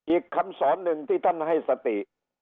อีกคำสอนหนึ่งที่ท่านให้สติ